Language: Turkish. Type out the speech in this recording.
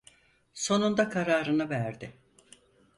Sonunda kararını verdi.